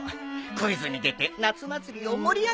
クイズに出て夏祭りを盛り上げておくれよ。